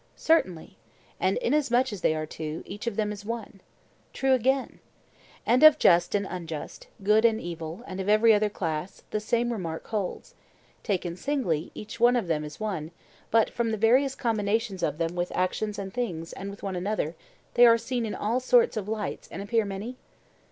Certainly. And inasmuch as they are two, each of them is one? True again. And of just and unjust, good and evil, and of every other class, the same remark holds: taken singly, each of them is one; but from the various combinations of them with actions and things and with one another, they are seen in all sorts of lights and appear many?